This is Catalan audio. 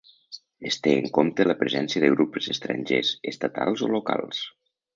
Es té en compte la presència de grups estrangers, estatals o locals.